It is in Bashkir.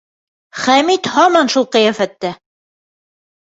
Хәмит һаман шул ҡиәфәттә.